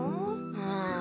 うん。